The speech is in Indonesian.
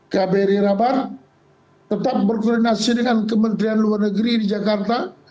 kbri rabar tetap berkoordinasi dengan kementerian luar negeri di jakarta